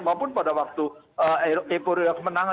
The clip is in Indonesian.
maupun pada waktu epo raya kemenangan